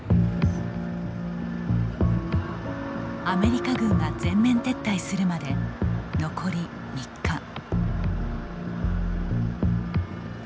アメリカ軍が全面撤退するまで残り３日。